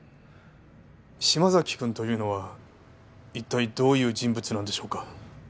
島崎くんというのは一体どういう人物なんでしょうか？